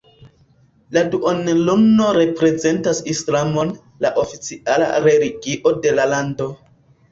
La duonluno reprezentas Islamon, la oficiala religio de la lando.